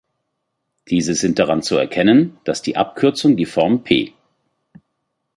Diese sind daran zu erkennen, dass die Abkürzung die Form „P.